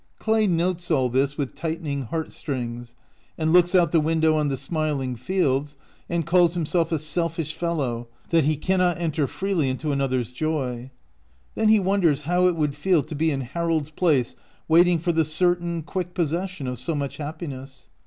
Clay notes all this with tighten ing heartstrings, and looks out the window on the smiling fields, and calls himself a self ish fellow that he cannot enter freely into another's joy. Then he wonders how it would feel to be in Harold's place waiting for the certain, quick possession of so much happiness.